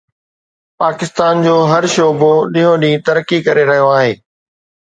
پاڪستان جو هر شعبو ڏينهون ڏينهن ترقي ڪري رهيو آهي